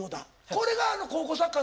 これが高校サッカーの。